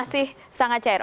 masih sangat cair